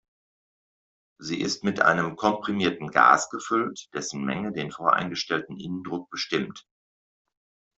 Sie ist mit einem komprimierten Gas gefüllt, dessen Menge den voreingestellten Innendruck bestimmt.